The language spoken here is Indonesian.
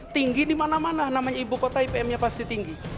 tinggi di mana mana namanya ibu kota ipm nya pasti tinggi